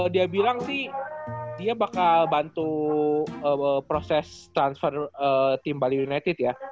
dia bilang sih dia bakal bantu proses transfer tim bali united ya